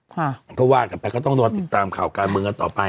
เพราะว่ากลับไปก็ต้องติดตามข่าวการเมืองกันต่อไป